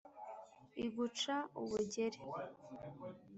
iguca ubujyeri,